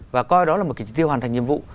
và coi đó là một tiêu hoàn thành nhiệm vụ